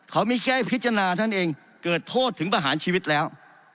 เขามีแค่พิจารณาท่านเองเกิดโทษถึงประหารชีวิตแล้ว